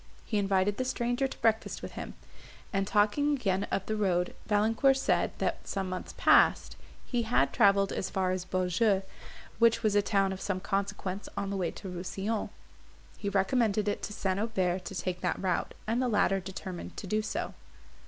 He invited the stranger to breakfast with him; and, talking again of the road, Valancourt said, that, some months past, he had travelled as far as Beaujeu, which was a town of some consequence on the way to Rousillon. He recommended it to St. Aubert to take that route, and the latter determined to do so.